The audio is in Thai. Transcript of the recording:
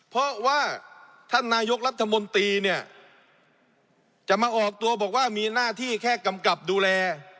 เพราะว่าท่านนายกรัฐมนตรีเนี่ยจะมาออกตัวบอกว่ามีหน้าที่แค่กำกับดูแล